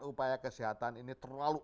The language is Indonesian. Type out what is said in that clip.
upaya kesehatan ini terlalu